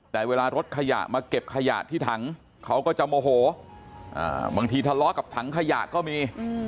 แต่เวลารถขยะมาเก็บขยะที่ถังเขาก็จะโมโหบางทีทะเลาะกับถังขยะก็มี